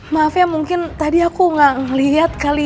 maaf ya mungkin tadi aku gak ngeliat kali